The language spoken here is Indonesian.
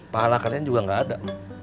pahala kalian juga gak ada